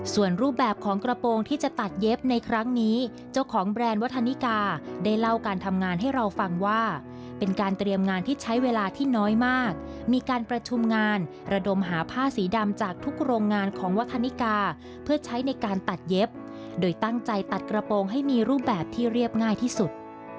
ส่วนรูปแบบของกระโปรงที่จะตัดเย็บในครั้งนี้เจ้าของแบรนด์วัฒนิกาได้เล่าการทำงานให้เราฟังว่าเป็นการเตรียมงานที่ใช้เวลาที่น้อยมากมีการประชุมงานระดมหาผ้าสีดำจากทุกโรงงานของวัฒนิกาเพื่อใช้ในการตัดเย็บโดยตั้งใจตัดกระโปรงให้มีรูปแบบที่เรียบง่ายที่สุด